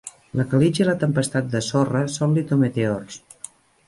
La calitja i la tempestat de sorra són litometeors.